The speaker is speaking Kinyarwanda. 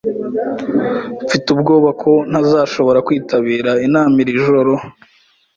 Mfite ubwoba ko ntazashobora kwitabira inama iri joro